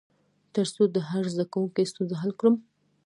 تر څو د هر زده کوونکي ستونزه حل کړم.